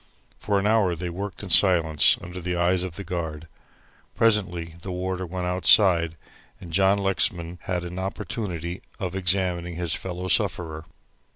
For an hour they worked in silence under the eyes of the guard. Presently the warder went outside, and John Lexman had an opportunity of examining his fellow sufferer.